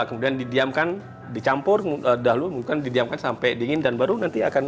kemudian didiamkan dicampur dahulu mungkin didiamkan sampai dingin dan baru nanti akan